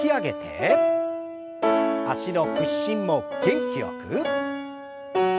脚の屈伸も元気よく。